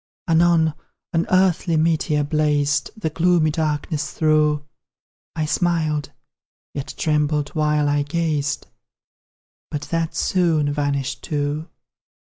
Anon, an earthly meteor blazed The gloomy darkness through; I smiled, yet trembled while I gazed But that soon vanished too!